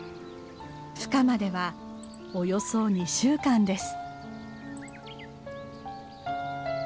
ふ化まではおよそ２週間です。